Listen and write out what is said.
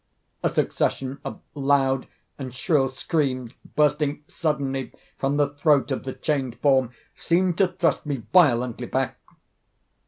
A succession of loud and shrill screams, bursting suddenly from the throat of the chained form, seemed to thrust me violently back.